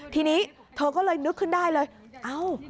ทีนี้เธอก็เลยนึกขึ้นได้เลยเอ้า